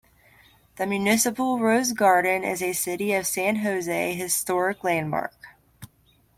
The Municipal Rose Garden is a City of San Jose historic landmark.